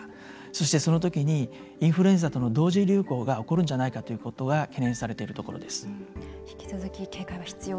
そして、その時にインフルエンザとの同時流行が起こるんじゃないかということは懸念されているところです。